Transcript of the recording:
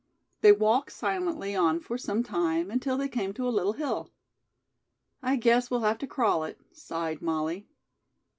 They walked silently on for some time, until they came to a little hill. "I guess we'll have to crawl it," sighed Molly.